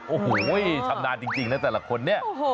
โอ้โหชำนาญจริงแล้วแต่ละคนนี่